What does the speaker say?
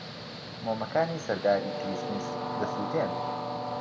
مۆمەکانی سەر داری کریسمس دەسووتێن.